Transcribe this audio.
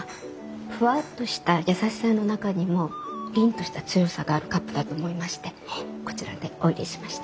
ふわっとした優しさの中にも凜とした強さがあるカップだと思いましてこちらでおいれしました。